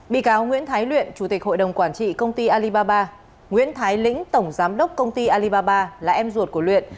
bị cáo nguyễn thái luyện chủ tịch hội đồng quản trị công ty alibaba nguyễn thái lĩnh tổng giám đốc công ty alibaba là em ruột của luyện